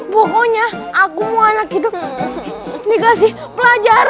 pokoknya aku mau anak itu dikasih pelajaran